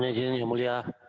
maksudnya gini yang mulia